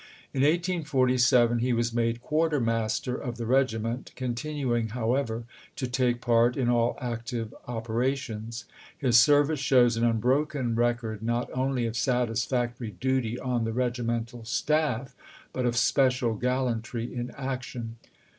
In 1847 he was made quarter master of the regiment, continuing, however, to take part in all active operations. His service shows an unbroken record not only of satisfactory MCCLELLAN AND GKANT 291 duty on the regimental staff but of special gal cnAr. xvi. lantry in action.